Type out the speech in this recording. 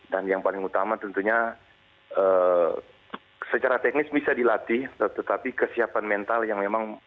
dan yang paling utama tentunya secara teknis bisa dilatih tetapi kesiapan mental yang memang